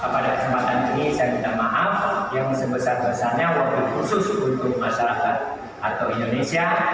pada kesempatan ini saya minta maaf yang sebesar besarnya khusus untuk masyarakat atau indonesia